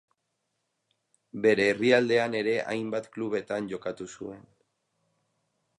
Bere herrialdean ere hainbat klubetan jokatu zuen.